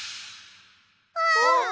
あっ。